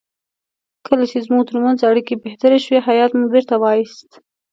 کله چې زموږ ترمنځ اړیکې بهتر شوې هیات مو بیرته وایست.